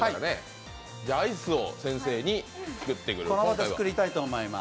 アイスを先生に作ってもらいます。